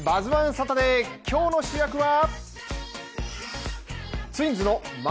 サタデー、今日の主役は？